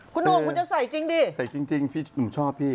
คุณหนุ่มคุณจะใส่จริงดิใส่จริงพี่หนุ่มชอบพี่